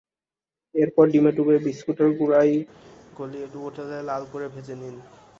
এরপর ডিমে ডুবিয়ে বিস্কুটের গুঁড়ায় গড়িয়ে ডুবো তেলে লাল করে ভেজে নিন।